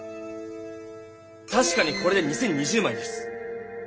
確かにこれで２０２０枚です。